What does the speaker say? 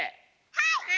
はい！